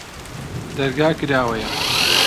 دەرگا کراوەیە؟